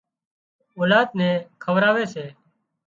اولاد نين کوَراوي سي